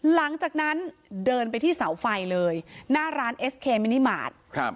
หลังจากนั้นเดินไปที่เสาไฟเลยหน้าร้านเอสเคมินิมาตรครับ